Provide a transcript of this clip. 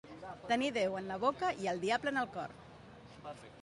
Tenir Déu en la boca i el diable en el cor.